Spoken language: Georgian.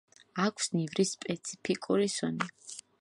აქვს ნივრის სპეციფიკური სუნი.